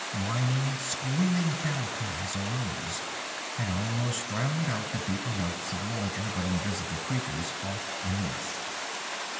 Whining, squealing battle cries arose and almost drowned out the deeper notes of larger but invisible creatures off in the mist.